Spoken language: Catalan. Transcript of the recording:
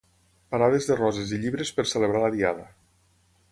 Parades de roses i llibres per celebrar la diada.